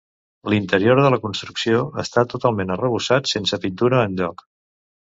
L'interior de la construcció està totalment arrebossat, sense pintura enlloc.